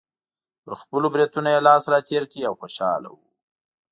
پر خپلو برېتونو یې لاس راتېر کړ او خوشحاله و.